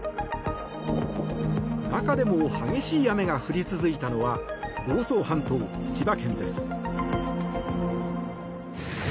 中でも激しい雨が降り続いたのは房総半島、千葉県です。